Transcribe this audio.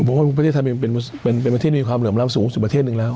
ผมว่าประเทศไทยเป็นประเทศมีความเหลื่อมล้ำสูงสุดประเทศหนึ่งแล้ว